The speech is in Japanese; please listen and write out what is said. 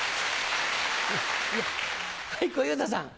はい小遊三さん。